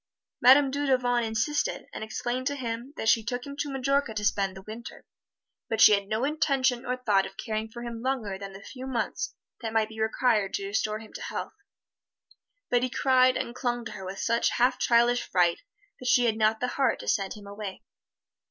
Madame Dudevant insisted, and explained to him that she took him to Majorca to spend the Winter, but she had no intention or thought of caring for him longer than the few months that might be required to restore him to health. But he cried and clung to her with such half childish fright that she had not the heart to send him away.